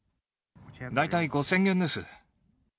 大体５０００元です。